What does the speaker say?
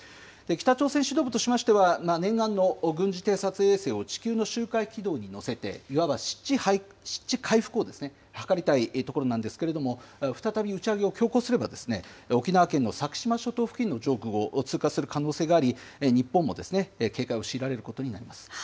北朝鮮指導部としましては、念願の軍事偵察衛星を地球の周回軌道に乗せて、いわば失地回復を図りたいところなんですけれども、再び打ち上げを強行すれば、沖縄県の先島諸島付近の上空を通過する可能性があり、日本も警戒を強いられることになります。